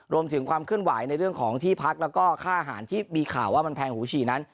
ความเคลื่อนไหวในเรื่องของที่พักแล้วก็ค่าอาหารที่มีข่าวว่ามันแพงหูฉี่นั้น